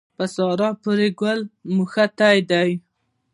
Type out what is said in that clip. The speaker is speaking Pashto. په سارا پورې ګل مښتی دی.